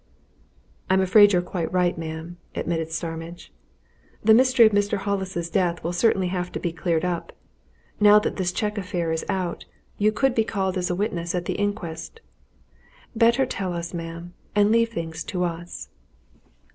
"I'm afraid you're quite right, ma'am," admitted Starmidge. "The mystery of Mr. Hollis's death will certainly have to be cleared up. Now that this cheque affair is out, you could be called as a witness at the inquest. Better tell us, ma'am and leave things to us."